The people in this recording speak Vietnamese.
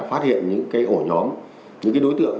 phát hiện những ổ nhóm những đối tượng